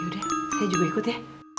udah saya juga ikut ya